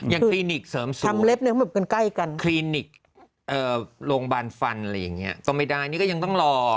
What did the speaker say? ยังคลินิกเสริมสวดคลินิกโรงพยาบาลฟันอะไรอย่างเงี้ยก็ไม่ได้นี่ก็ยังต้องรอ